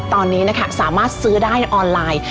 ตอนนี้นะคะสามารถซื้อได้ในออนไลน์